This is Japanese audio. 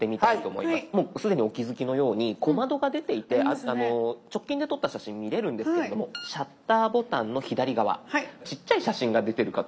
もう既にお気付きのように小窓が出ていて直近で撮った写真見れるんですけれどもシャッターボタンの左側ちっちゃい写真が出てるかと思うんですが。